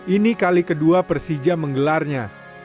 ini kali kedua persija menggelarnya